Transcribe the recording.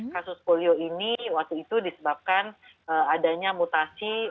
kasus polio ini waktu itu disebabkan adanya mutasi virus polio yang terjadi di indonesia